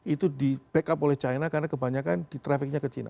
itu di backup oleh china karena kebanyakan di trafficnya ke china